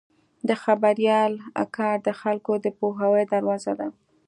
د خبریال کار د خلکو د پوهاوي دروازه ده.